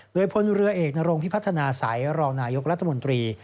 โดยพลเรือเอกนรงพิพัฒนาสัยรองนายกรัฐมนตรี